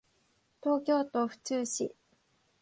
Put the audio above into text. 東京都府中市